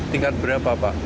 tingkat berapa pak